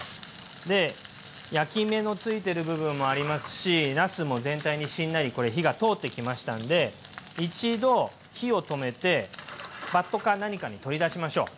で焼き目のついてる部分もありますしなすも全体にしんなり火が通ってきましたんで一度火を止めてバットか何かに取り出しましょう。